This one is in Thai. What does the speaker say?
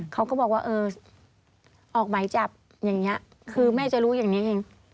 เขาก็บอกว่าเออออกหมายจับอย่างนี้คือแม่จะรู้อย่างนี้เอง